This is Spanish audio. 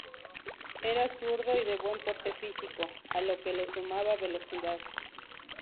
Era zurdo y de buen porte físico, a lo que le sumaba velocidad.